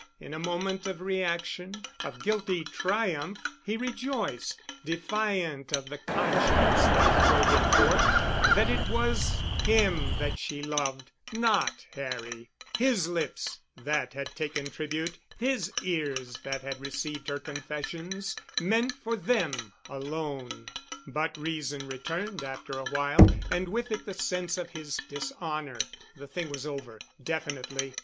In a moment of reaction, of guilty triumph, he rejoiced, defiant of the conscience that drove him forth, that it was him that she loved—not Harry; his lips that had taken tribute—his ears that had received her confessions, meant for them alone. But reason returned after awhile ... and with it the sense of his dishonor. The thing was over, definitely.